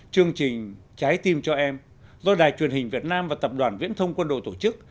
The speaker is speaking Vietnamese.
chương trình trái tim cho em do đài truyền hình việt nam và tập đoàn viễn thông quân đội tổ chức